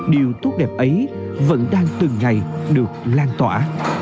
điều tốt đẹp ấy vẫn đang từng ngày được lan tỏa